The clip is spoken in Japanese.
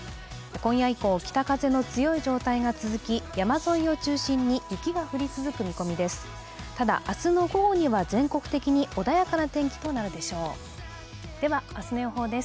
今夜以降、北風の強い状態が続き、山沿いを中心に雪が降り続く見込みです。